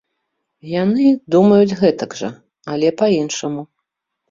Яны думаюць гэтак жа, але па-іншаму.